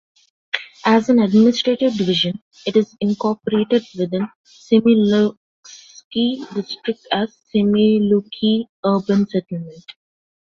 As an administrative division, it is incorporated within Semiluksky District as Semiluki Urban Settlement.